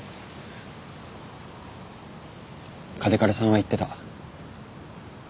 嘉手刈さんは言ってた。